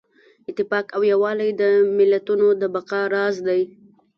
اتفاق او یووالی د ملتونو د بقا راز دی.